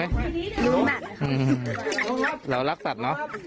เหล่ารักสัตว์